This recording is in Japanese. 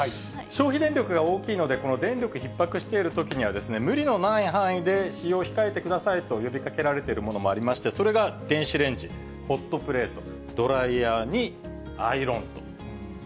消費電力が大きいので、この電力ひっ迫しているときには無理のない範囲で使用を控えてくださいと呼びかけられているものもありまして、それが電子レンジ、ホットプレート、ドライヤーにアイロン。